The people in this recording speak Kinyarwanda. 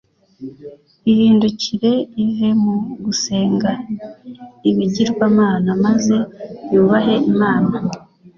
ihindukire ive mu gusenga ibigirwamana maze yubahe Imana